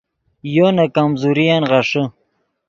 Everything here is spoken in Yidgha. یو نے کمزورین غیݰے